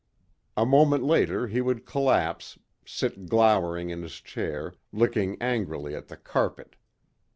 A moment later he would collapse, sit glowering in his chair, looking angrily at the carpet.